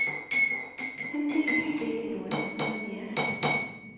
Anta ay d taḥkayt-nwent tamenyaft?